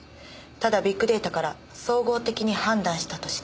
ただビッグデータから総合的に判断したとしか。